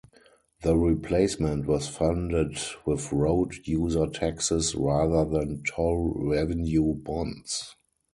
The replacement was funded with road user taxes rather than toll revenue bonds.